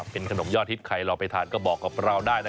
เป็นขนมยอดฮิตใครลองไปทานก็บอกกับเราได้